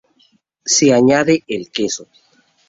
Se añade el queso.